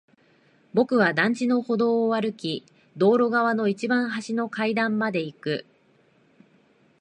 僕は団地の歩道を歩き、道路側の一番端の階段まで行く。